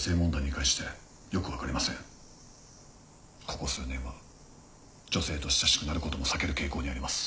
ここ数年は女性と親しくなることも避ける傾向にあります。